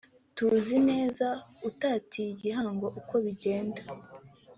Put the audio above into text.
tuzi neza utatiye igihango uko bigenda